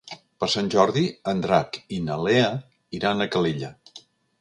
Per Sant Jordi en Drac i na Lea iran a Calella.